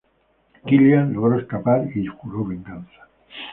Killian logró escapar y juró venganza.